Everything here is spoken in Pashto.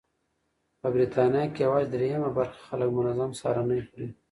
په بریتانیا کې یوازې درېیمه برخه خلک منظم سهارنۍ خوري.